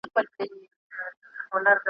ګړی وروسته په کلا کي خوشالي سوه ,